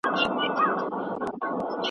هغې په خپل بې غږه موبایل کې د زوی عکس ولید.